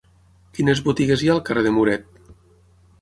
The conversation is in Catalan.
Quines botigues hi ha al carrer de Muret?